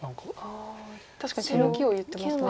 ああ確かに手抜きを言ってますね。